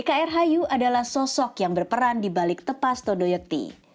dkrhu adalah sosok yang berperan di balik tepas tondo yeti